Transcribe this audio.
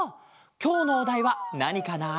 きょうのおだいはなにかな？